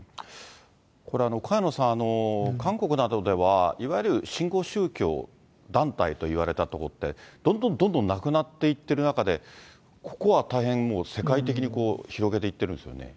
これ、萱野さん、韓国などでは、いわゆる新興宗教団体といわれたとこって、どんどんどんどんなくなっていってる中で、ここは大変、世界的に広げていってるんですよ